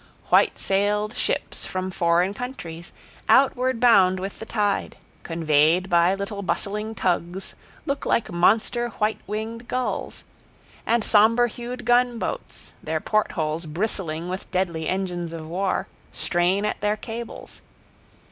White sailed ships from foreign countries, outward bound with the tide, conveyed by little bustling tugs, look like monster white winged gulls; and somber hued gunboats, their portholes bristling with deadly engines of war, strain at their cables.